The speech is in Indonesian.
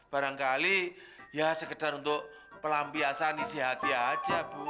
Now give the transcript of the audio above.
barangkali ya sekedar untuk pelampiasan isi hati aja bu